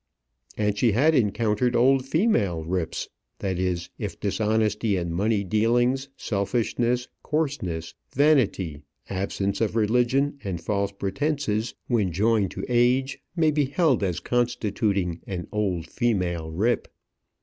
And she had encountered old female rips; that is, if dishonesty in money dealings, selfishness, coarseness, vanity, absence of religion, and false pretences, when joined to age, may be held as constituting an old female rip.